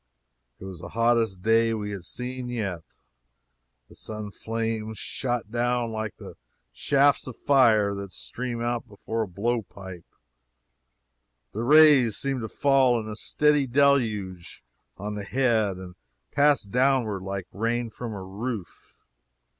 It was the hottest day we had seen yet the sun flames shot down like the shafts of fire that stream out before a blow pipe the rays seemed to fall in a steady deluge on the head and pass downward like rain from a roof.